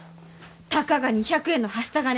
たかが２００円のはした金